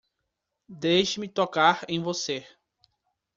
Deixe-me tocar em você!